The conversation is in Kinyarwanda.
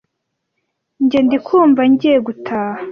Njye ndikumva ngiye gutaha